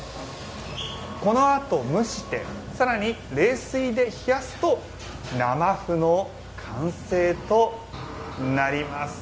このあと、蒸してさらに冷水で冷やすと生麩の完成となります。